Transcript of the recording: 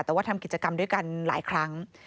แต่ว่าทำกิจกรรมด้วยกันหลายครั้ง